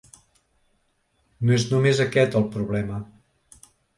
No és només aquest el problema.